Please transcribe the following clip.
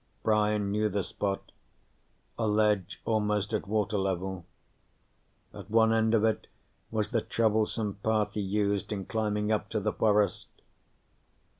Brian knew the spot, a ledge almost at water level. At one end of it was the troublesome path he used in climbing up to the forest.